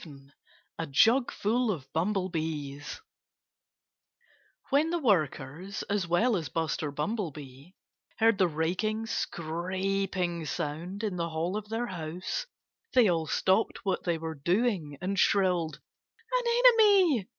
VII A JUGFUL OF BUMBLEBEES When the workers as well as Buster Bumblebee heard the raking, scraping sound in the hall of their house they all stopped what they were doing and shrilled "An enemy!"